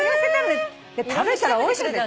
で食べたらおいしくて。